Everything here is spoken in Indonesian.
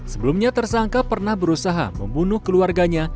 sebelumnya tersangka pernah berusaha membunuh keluarganya